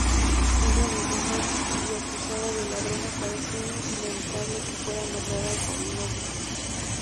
Una adivina y acusada de ladrona, parecía inevitable que fuera nombrada como una bruja.